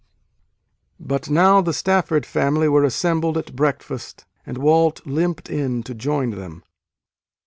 But now the Stafford family were assembled at breakfast and Walt limped in to join them.